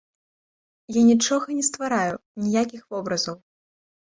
Я нічога не ствараю, ніякіх вобразаў.